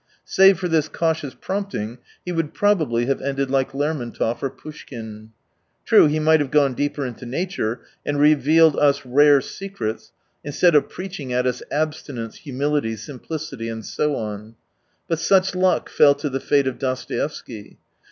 Save for this cautious prompting he would probably have ended like Ler montov or Poushkin. True, he might have gone deeper into nature, and revealed us rare secrets, instead of preaching at us abstinence, humility, simplicity and so on. But such luck fell to the fate of Dostoevsky.